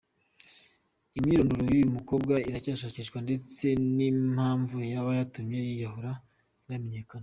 Imyirondoro y’uyu mukobwa iracyashakishwa ndetse n’impamvu yaba yatumye yiyahura ntiramenyekana.